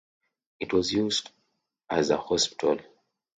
It was also used as a hospital.